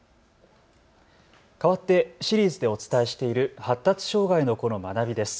かわってシリーズでお伝えしている発達障害の子の学びです。